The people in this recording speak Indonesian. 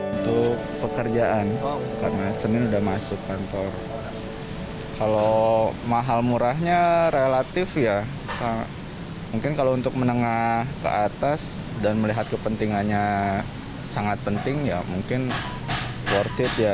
untuk pekerjaan karena senin udah masuk kantor kalau mahal murahnya relatif ya mungkin kalau untuk menengah ke atas dan melihat kepentingannya sangat penting ya mungkin worth it ya